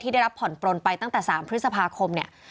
ได้รับผ่อนปลนไปตั้งแต่๓พฤษภาคมเนี่ย